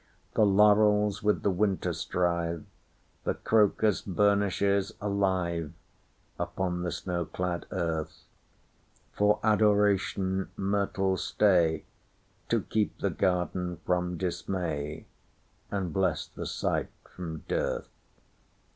The laurels with the winter strive; The crocus burnishes aliveUpon the snow clad earth; For Adoration myrtles stayTo keep the garden from dismay, And bless the sight from dearth.